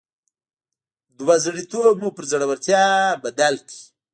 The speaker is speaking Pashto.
دوه زړي توب مو پر زړورتيا بدل کړئ.